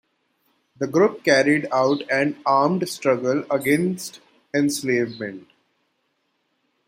The group carried out an armed struggle against enslavement.